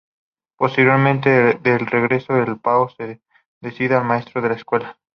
Posteriormente, de regreso en El Pao, se dedica a maestro de escuela.